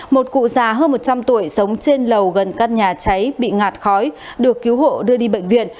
một cụ già hơn một trăm linh tuổi sống trên lầu gần căn nhà cháy bị ngạt khói được cứu hộ đưa đi bệnh viện